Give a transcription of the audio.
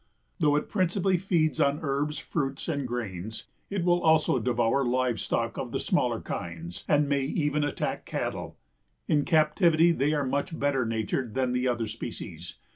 Though it principally feeds on herbs, fruits and grains, it will also devour live stock of the smaller kinds and may even attack cattle. In captivity they are much better natured than the other species.